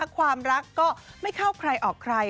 ความรักก็ไม่เข้าใครออกใคร